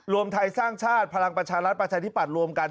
รวมไทยสร้างชาติพลังประชารัฐประชาธิปัตย์รวมกัน